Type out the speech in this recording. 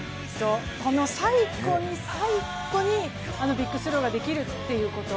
この最後の最後にビッグスローができるっていうこと。